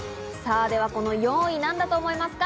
では、この４位は何だと思いますか？